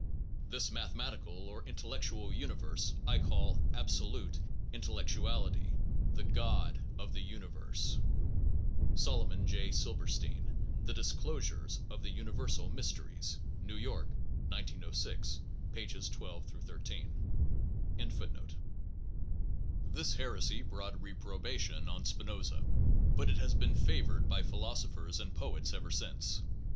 This mathematical or intellectual uni verse I call Absolute Intellectuality, the God of the Universe. (Solomon J. Silberstein: The Disclosures of the Universal Mysteries, New York, 1906, pp. 12 13.) 120 THE ONE AND THE MANY tion on Spinoza, but it has been favored by philosophers and poets ever since.